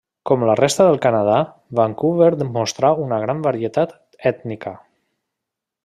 Com la resta del Canadà, Vancouver mostra una gran varietat ètnica.